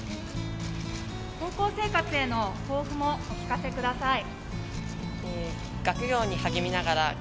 高校生活への抱負もお聞かせください。